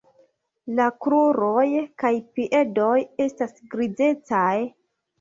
La kruroj kaj piedoj estas grizecaj.